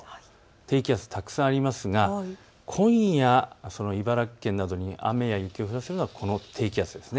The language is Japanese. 低気圧、たくさんありますが今夜、茨城県などに雨や雪を降らせるのは、この低気圧です。